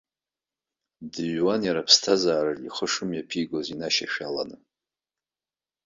Дыҩуан иара аԥсҭазаараҿы ихы шымҩаԥигоз инашьашәаланы.